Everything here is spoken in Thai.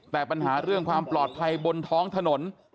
แต่ปัญหาเรื่องความปลอดภัยบนท้องถนน